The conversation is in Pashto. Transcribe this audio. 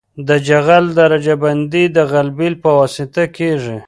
د جغل درجه بندي د غلبیل په واسطه کیږي